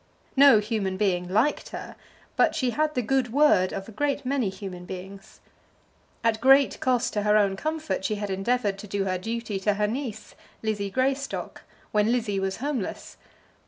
No human being liked her; but she had the good word of a great many human beings. At great cost to her own comfort she had endeavoured to do her duty to her niece, Lizzie Greystock, when Lizzie was homeless.